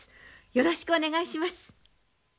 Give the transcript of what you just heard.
よろしくお願いします。